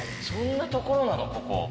そんなところなのここ。